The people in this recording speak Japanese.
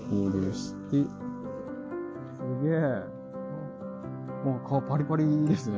すげえ。